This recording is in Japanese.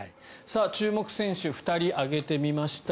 注目選手２人挙げてみました。